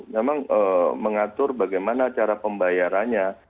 memang mengatur bagaimana cara pembayarannya